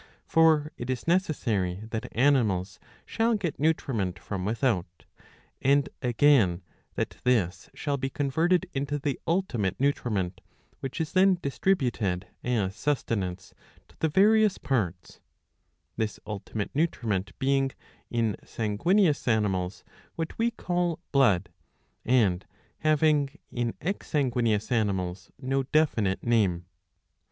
For it is necessary that animals shall get nutriment from without ; and, again, that this shall be con verted into the ultimate nutriment, which is then distributed as sustenance to the various parts ; this ultimate nutriment being, in sanguineous animals, what we caJl blood, and having, in ex sanguineous animals, no definite name.